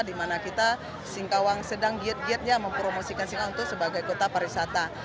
di mana kita singkawang sedang diet gietnya mempromosikan singkawang itu sebagai kota pariwisata